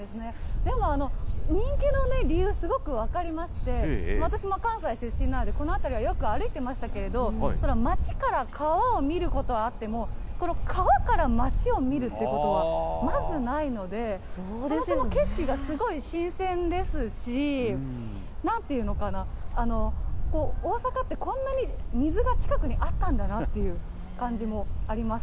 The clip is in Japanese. でも人気の理由、すごく分かりまして、私も関西出身なんで、この辺りはよく歩いてましたけれども、街から川を見ることはあっても、この川から街を見るということは、まずないので、この景色がすごい新鮮ですし、なんていうのかな、大阪ってこんなに水が近くにあったんだなっていう感じもあります。